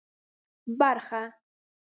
برخه